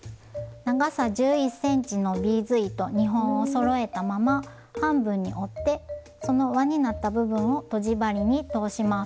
長さ１１ｃｍのビーズ糸２本をそろえたまま半分に折ってその輪になった部分をとじ針に通します。